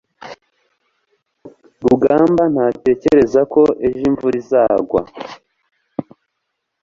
rugamba ntatekereza ko ejo imvura izagwa